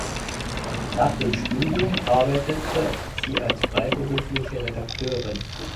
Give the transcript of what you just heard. Nach dem Studium arbeitete sie als freiberufliche Redakteurin.